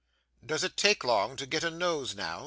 'Does it take long to get a nose, now?